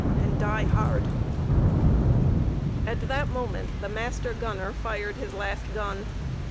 and die hard!" At that moment the master gunner fired his last gun.